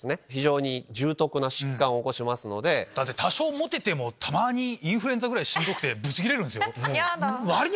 だって多少モテてもたまにインフルエンザぐらいしんどくてブチギレるんすよ。